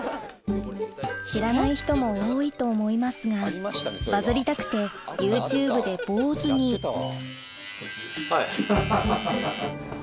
知らない人も多いと思いますがバズりたくてＹｏｕＴｕｂｅで坊ずにはい。